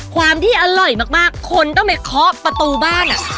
ความที่อร่อยมากคนต้องไปเคาะประตูบ้าน